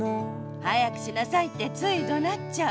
「早くしなさい！」ってついどなっちゃう。